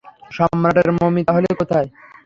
সম্রাটের মমি তাহলে কোথায়?